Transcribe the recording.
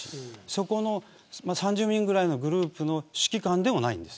そこの３０人ぐらいのグループの指揮官でもないんです。